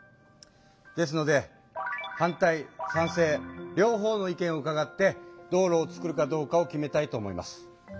ですので反対賛成両方の意見をうかがって道路をつくるかどうかを決めたいと思います。